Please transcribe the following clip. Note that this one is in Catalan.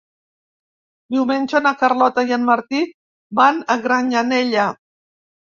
Diumenge na Carlota i en Martí van a Granyanella.